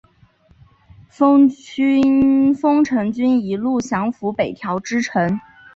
丰臣军一路降伏北条支城。